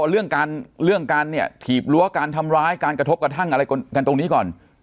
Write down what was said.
เรื่องการขีบรั้วการทำร้ายการกระทบกระทั่งอะไรกันตรงนี้ก่อน